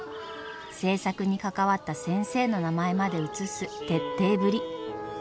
制作に関わった先生の名前まで写す徹底ぶり。